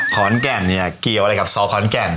ขอนแกงเนี่ยเกี่ยวไรกับสอขอนแกง